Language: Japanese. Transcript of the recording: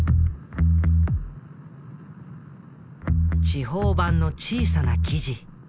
地方版の小さな記事。